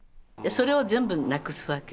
それを全部なくすわけ。